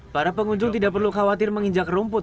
para pengunjung tidak perlu khawatir menginjak rumput